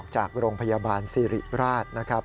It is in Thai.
จากโรงพยาบาลสิริราชนะครับ